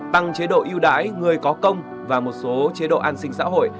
tăng chế độ yêu đái người có công và một số chế độ an sinh xã hội